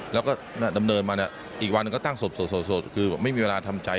แล้วก็ดำเนินมาเนี่ยอีกวันก็ตั้งศพโสดคือไม่มีเวลาทำใจ